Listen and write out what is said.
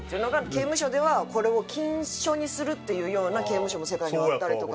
刑務所ではこれを禁書にするっていうような刑務所も世界にはあったりとか。